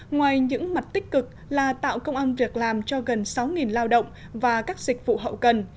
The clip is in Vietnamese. ngoài những mặt tích cực là tạo công an việc làm cho gần sáu lao động và các dịch vụ hậu cần